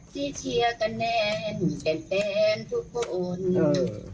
ที่เชียร์กันแน่นแฟนทุกคน